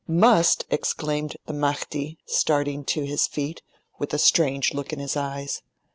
'Must!' exclaimed the Mahdi, starting to his feet, with a strange look in his eyes.